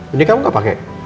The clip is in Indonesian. ini kamu gak pake